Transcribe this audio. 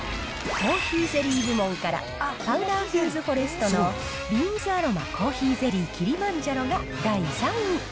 コーヒーゼリー部門から、パウダーフーズフォレストのビーンズアロマコーヒーゼリーキリマンジャロが第３位。